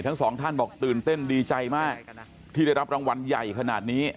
ทั้งสองท่านบอกตื่นเต้นดีใจมากที่ได้รับรางวัลใหญ่ขนาดนี้